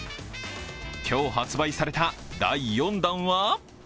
今日発売された第４弾は？